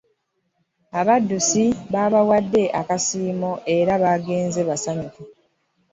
Abaddusi baabawadde akasiimo era baagenze basanyufu.